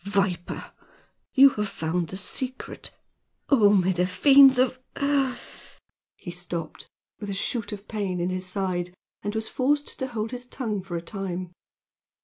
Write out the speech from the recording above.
Viper! You have found the secret. Oh, may the fiends of " He stopped, with a shoot of pain in his side, and was forced to hold his tongue for a time.